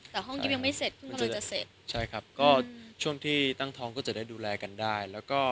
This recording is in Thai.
เถอะนะครับก็ช่วงที่พี่ใจกรุ่งก็จะได้ดูแลกันได้